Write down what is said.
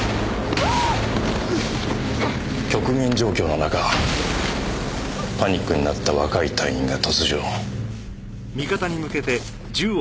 極限状況の中パニックになった若い隊員が突如。